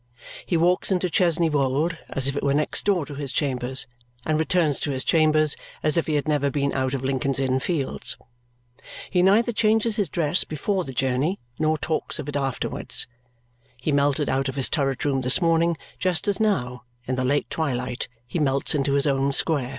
He walks into Chesney Wold as if it were next door to his chambers and returns to his chambers as if he had never been out of Lincoln's Inn Fields. He neither changes his dress before the journey nor talks of it afterwards. He melted out of his turret room this morning, just as now, in the late twilight, he melts into his own square.